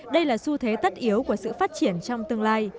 đây là xu thế tất yếu của sự phát triển trong tương lai